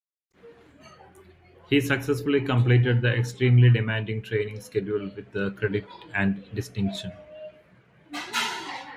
He successfully completed the extremely demanding training schedule with credit and distinction.